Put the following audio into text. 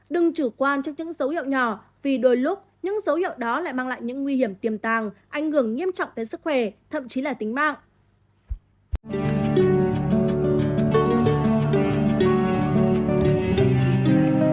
đừng chủ quan trước những dấu hiệu nhỏ vì đôi lúc những dấu hiệu đó lại mang lại những nguy hiểm tiềm tàng ảnh hưởng nghiêm trọng tới sức khỏe thậm chí là tính mạng